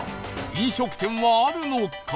飲食店はあるのか？